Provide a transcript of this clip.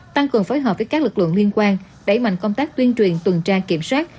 tăng cường phối hợp với các lực lượng liên quan đẩy mạnh công tác tuyên truyền tuần tra kiểm soát